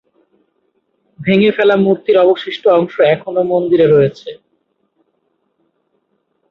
ভেঙে ফেলা মূর্তির অবশিষ্ট অংশ এখনও মন্দিরে রয়েছে।